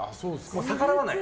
逆らわない。